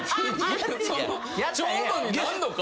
ちょうどになんのか？